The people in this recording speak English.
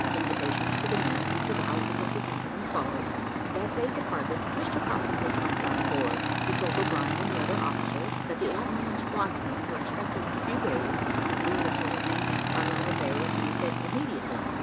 Invitations to the mess and to the houses of the gentlemen followed, and as they departed, Mr Falcon returned on board. He told O'Brien and the other officers, that the admiral and squadron were expected in a few days, and that we were to remain in Carlisle Bay, and refit immediately.